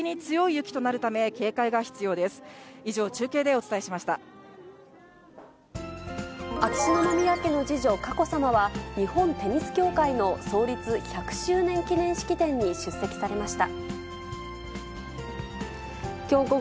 きょう午後、佳子さまは日本テニス協会創立１００周年記念式典に出席されました。